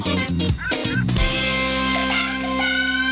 โปรดติดตามตอนต่อไป